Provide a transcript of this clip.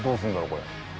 これ。